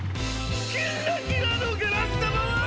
キッラキラのガラスだまは？